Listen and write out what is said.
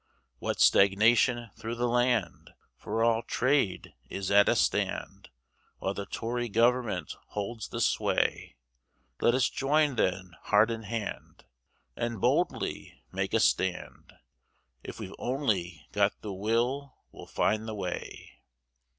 What stagnation through the land, For all trade is at a stand, While the Tory government holds the sway. Let us join then heart and hand, And boldly make a stand, If we've only got the will we'll find the way.